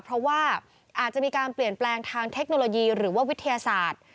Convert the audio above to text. เพราะว่าอาจจะมีการเปลี่ยนแปลงทางเทคโนโลยีหรือว่าวิทยาศาสตร์